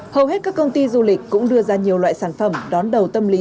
hầu hết các công ty du lịch cũng đưa ra nhiều loại sản phẩm đón đầu tâm lý